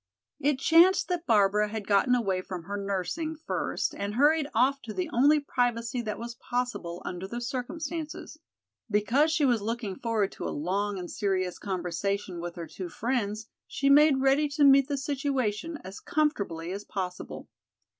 It chanced that Barbara had gotten away from her nursing first and hurried off to the only privacy that was possible under the circumstances. Because she was looking forward to a long and serious conversation with her two friends she made ready to meet the situation as comfortably as possible.